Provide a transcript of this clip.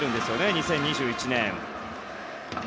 ２０２１年。